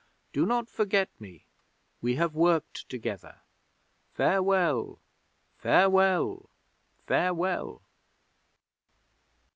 Do not forget me. We have worked together. Farewell! Farewell! Farewell!